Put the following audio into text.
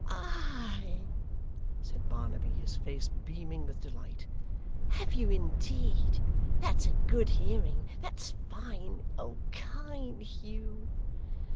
'Ay!' said Barnaby, his face beaming with delight: 'have you indeed? That's a good hearing. That's fine! Kind Hugh!